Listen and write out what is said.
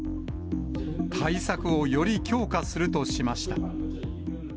対策をより強化するとしました。